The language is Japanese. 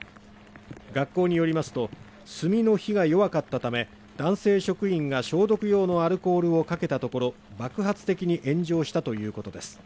学校によりますと、炭の火が弱かったため、男性職員が消毒用のアルコールをかけたところ、爆発的に炎上したということです。